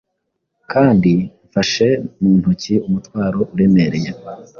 Kandi mfashe mu ntoki umutwaro uremereye